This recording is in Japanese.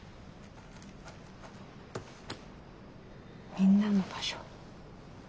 「みんなの場所」。